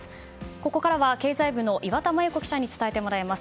ここからは経済部の岩田真由子記者に伝えてもらいます。